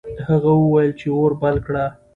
هغه وویل چې اور بل کړه.